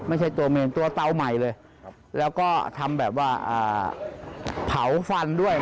ไม่ใช่ตัวเมนตัวเตาใหม่เลยแล้วก็ทำแบบว่าเผาฟันด้วย